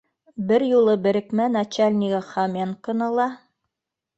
— Бер юлы берекмә начальнигы Хоменконы ла